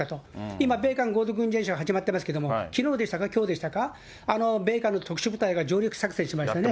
今、米韓合同軍事演習が始まってますけど、きのうでしたか、きょうでしたか、米韓の特殊部隊が上陸作戦しましたね。